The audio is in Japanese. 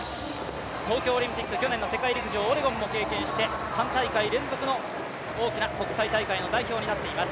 東京オリンピック、去年の世界陸上オレゴンも経験して３大会連続の大きな国際大会の代表になっています。